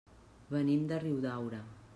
Venim de Riudaura.